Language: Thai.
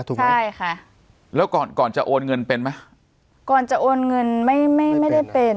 ถูกไหมใช่ค่ะแล้วก่อนก่อนจะโอนเงินเป็นไหมก่อนจะโอนเงินไม่ไม่ไม่ได้เป็น